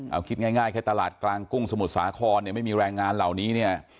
เอาคิดง่ายแค่ตลาดกลางกุ้งสมุทรสาครเนี่ยไม่มีแรงงานเหล่านี้เนี่ย